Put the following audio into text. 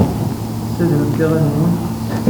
Tessadremt iɣallen-nwent.